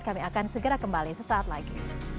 kami akan segera kembali sesaat lagi